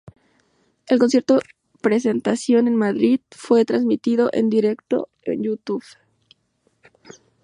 El concierto presentación en Madrid fue transmitido en directo en YouTube.